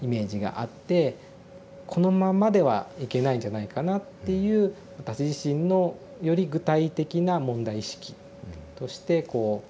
「このまんまではいけないんじゃないかな」っていう私自身のより具体的な問題意識としてこう残って。